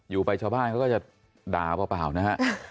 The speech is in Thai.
อยู่ไปชาวบ้านเขาก็จะด่าเปล่านะฮะ